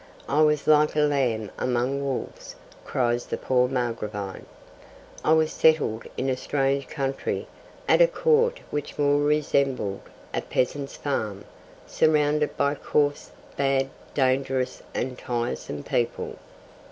'I was like a lamb among wolves,' cries the poor Margravine; 'I was settled in a strange country, at a Court which more resembled a peasant's farm, surrounded by coarse, bad, dangerous, and tiresome people.'